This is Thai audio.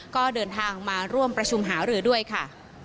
ก็เดินทางมาร่วมประชุมหารือด้วยค่ะ